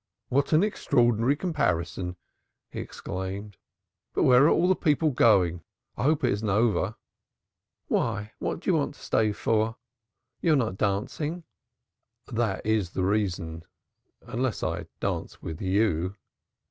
"What an extraordinary comparison!" he exclaimed. "But where are all the people going? It isn't all over, I hope." "Why, what do you want to stay for? You're not dancing." "That is the reason. Unless I dance with you."